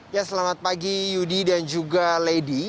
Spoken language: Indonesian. ya selamat pagi yudi dan juga lady